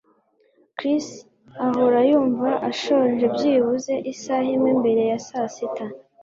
Chris ahora yumva ashonje byibuze isaha imwe mbere ya sasita